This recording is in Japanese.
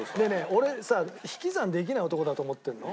俺さ引き算できない男だと思ってるの？